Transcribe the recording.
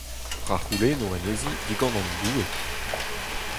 Ra c’houlenno anezhi digant an Doue.